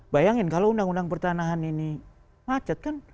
bayangin kalau undang undang pertanahan ini macet kan